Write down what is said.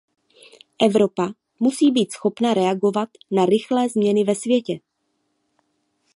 Evropa musí být schopna reagovat na rychlé změny ve světě.